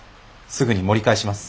すぐに盛り返します。